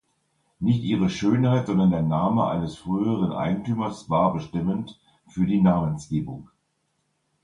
Nicht ihre Schönheit, sondern der Name eines früheren Eigentümers war bestimmend für die Namensgebung.